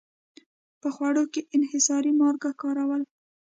په خوړو کې انحصاري مالګه کارول.